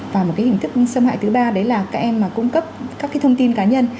và một cái hình thức xâm hại thứ ba đấy là các em mà cung cấp các cái thông tin cá nhân